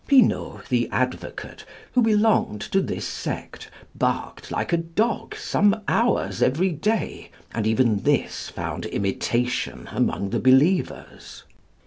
Pinault, the advocate, who belonged to this sect, barked like a dog some hours every day, and even this found imitation among the believers.